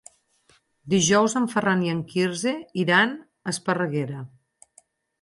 Dijous en Ferran i en Quirze iran a Esparreguera.